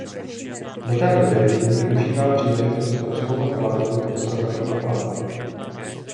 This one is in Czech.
Do té doby tým využívá příležitost prozkoumat planetu v dosahu raketoplánu.